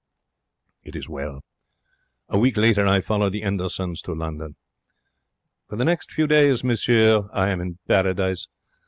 It is well. A week later I follow the 'Endersons to London. For the next few days, monsieur, I am in Paradise.